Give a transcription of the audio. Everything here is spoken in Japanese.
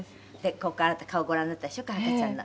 「ここからあなた顔ご覧になったでしょ赤ちゃんの」